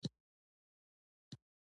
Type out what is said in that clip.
هسې خو به نه وي چې زما هم اجل همدلته وي؟